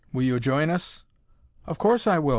Will you join us?" "Of course I will!"